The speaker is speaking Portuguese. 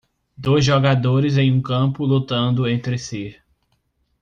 dois jogadores em um campo lutando entre si.